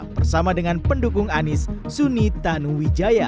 bersama dengan pendukung anies suni tanuwijaya